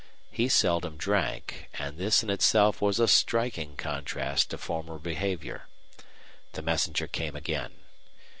He seldom drank, and this in itself was a striking contrast to former behavior. The messenger came again.